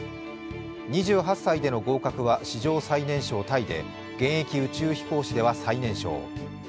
２８歳での合格は史上最年少タイで現役宇宙飛行士では最年少。